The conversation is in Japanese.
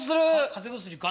風邪薬か？